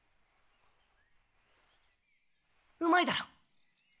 うまいだろ？